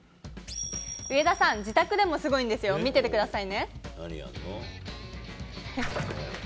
上田さん、自宅でもすごいんですよ、見ててくださいね。